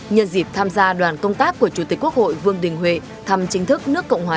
nhân dịp tham gia đoàn công tác của chủ tịch quốc hội vương đình huệ thăm chính thức nước cộng hòa